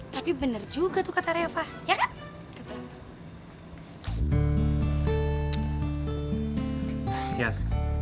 tapi bener juga tuh kata reva ya kan